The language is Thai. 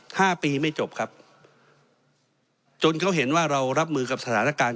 ห้าปีไม่จบครับจนเขาเห็นว่าเรารับมือกับสถานการณ์